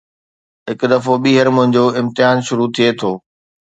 هڪ دفعو ٻيهر منهنجو امتحان شروع ٿئي ٿو